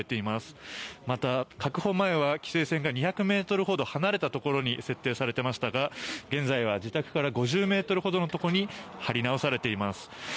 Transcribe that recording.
また、確保前は規制線が２００ｍほど離れたところに設定されていましたが現在は自宅から５０ｍほどのところに張り直されています。